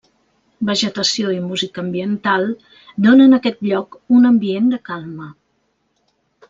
Vegetació i música ambiental donen a aquest lloc un ambient de calma.